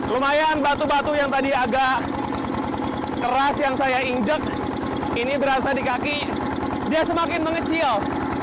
lumayan batu batu yang tadi agak keras yang saya injek ini berasa di kaki dia semakin mengecil